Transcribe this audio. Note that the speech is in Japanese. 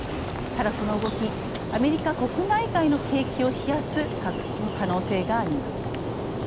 ただ、この動きアメリカ国内外の景気を冷やす可能性があります。